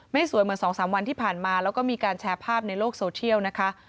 สวยเหมือน๒๓วันที่ผ่านมาแล้วก็มีการแชร์ภาพในโลกโซเชียลนะคะ